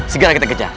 segera kita kejar